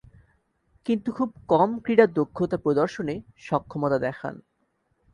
কিন্তু খুব কম ক্রীড়া দক্ষতা প্রদর্শনে সক্ষমতা দেখান।